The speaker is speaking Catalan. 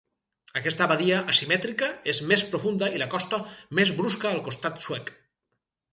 Aquesta badia asimètrica i és més profunda i la costa més brusca al costat suec.